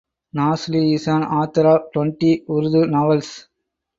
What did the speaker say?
Nazli is an author of twenty Urdu novels.